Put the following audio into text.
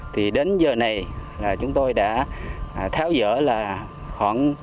thì đến giờ này chúng tôi đã tháo dỡ khoảng một trăm năm mươi